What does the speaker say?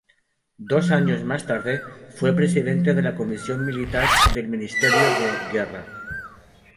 Dos años más tarde fue presidente de la Comisión Militar del Ministerio de Guerra.